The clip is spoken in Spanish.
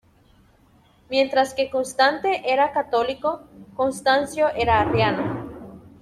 Mientras que Constante era católico, Constancio era arriano.